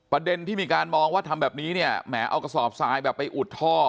ประเด็นที่มีการมองว่าทำแบบนี้เนี่ยแหมเอากระสอบทรายแบบไปอุดท่อ